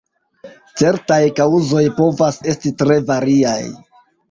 Certaj kaŭzoj povas esti tre variaj.